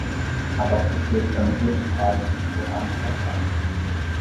Abastecer tampa e quadro tipo A na calçada.